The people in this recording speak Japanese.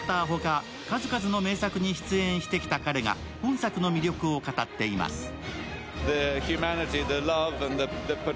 ほか数々の名作に出演してきた彼が今作の魅力を語っています。